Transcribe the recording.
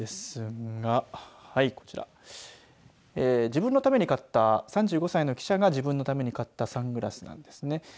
自分のために買った３５歳の記者が自分のために買ったサングラスなんですね。